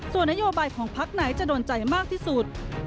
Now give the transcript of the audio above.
ส่วนนโยบายของพักไหนจะโดนใจมากที่สุด